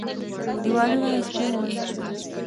دېوالونه يې سپين ول.